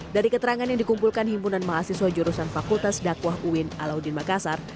dari keterangan yang dikumpulkan himpunan mahasiswa jurusan fakultas dakwah uin alauddin makassar